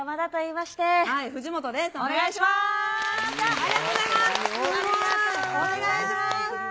ありがとうございます。